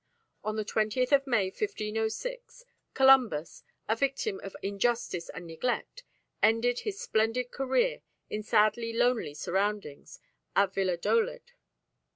On the 20th May, 1506, Columbus, a victim of injustice and neglect, ended his splendid career in sadly lonely surroundings at Valladolid.